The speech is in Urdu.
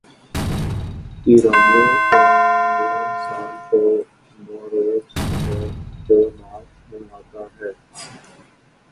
ایرانیوں کا نیا سال تو نوروز ہے جو مارچ میں آتا ہے۔